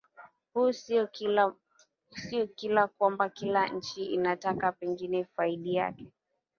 huu sio kila kwamba kila nchi inataka pengine ifaidi peke yake